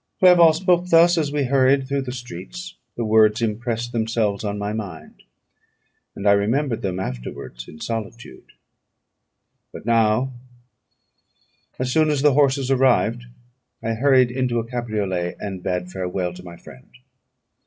Clerval spoke thus as we hurried through the streets; the words impressed themselves on my mind, and I remembered them afterwards in solitude. But now, as soon as the horses arrived, I hurried into a cabriolet, and bade farewell to my friend.